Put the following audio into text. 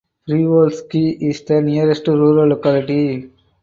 Privolzhsky is the nearest rural locality.